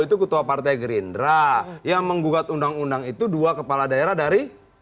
itu ketua partai gerindra yang menggugat undang undang itu dua kepala daerah dari